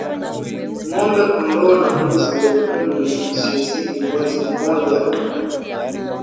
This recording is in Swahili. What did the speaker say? Ng'ombe kondoo na mbuzi wenye umri usiozidi mwezi mmoja